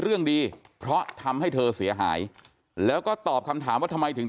เรื่องดีเพราะทำให้เธอเสียหายแล้วก็ตอบคำถามว่าทำไมถึง